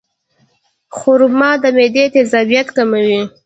خرما د معدې تیزابیت کموي.